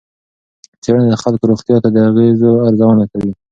څېړنه د خلکو روغتیا ته د اغېزو ارزونه کوي.